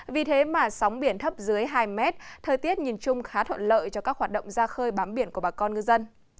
vì thế mà sóng biển thấp dưới hai mét thời tiết nhìn chung khá thuận lợi cho các hoạt động ra khơi bám biển của bà con ngư dân